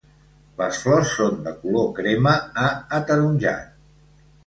Les flors són de color crema a ataronjat.